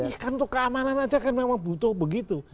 iya kan untuk keamanan aja kan memang butuh begitu